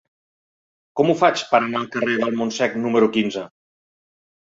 Com ho faig per anar al carrer del Montsec número quinze?